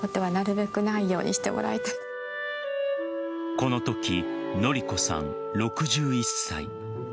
このとき典子さん、６１歳。